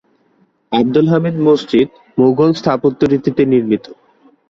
আবদুল হামিদ মসজিদ মুগল স্থাপত্যরীতিতে নির্মিত।